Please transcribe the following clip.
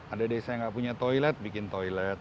ada desa yang nggak punya toilet bikin toilet